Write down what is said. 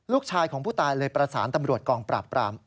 ลูกชายของผู้ตายเลยประสานตำรวจกองปราบปราม